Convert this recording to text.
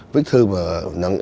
viết thương và nặng